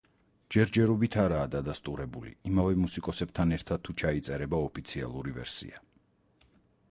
ჯერჯერობით არაა დადასტურებული, იმავე მუსიკოსებთან ერთად თუ ჩაიწერება ოფიციალური ვერსია.